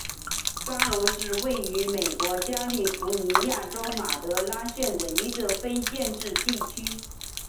沙龙是位于美国加利福尼亚州马德拉县的一个非建制地区。